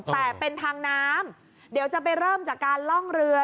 แต่เป็นทางน้ำเดี๋ยวจะไปเริ่มจากการล่องเรือ